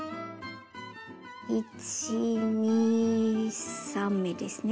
１２３目ですね。